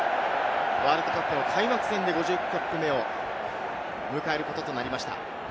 ワールドカップの開幕戦で５０キャップ目を迎えることとなりました。